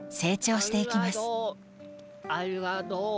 ありがとオ。